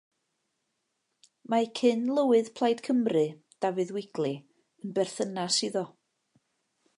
Mae cyn-lywydd Plaid Cymru, Dafydd Wigley, yn berthynas iddo.